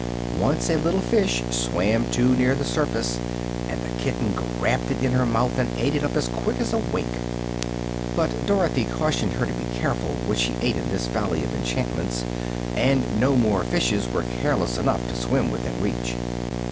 Once a little fish swam too near the surface, and the kitten grabbed it in her mouth and ate it up as quick as a wink; but Dorothy cautioned her to be careful what she ate in this valley of enchantments, and no more fishes were careless enough to swim within reach.